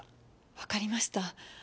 わかりました。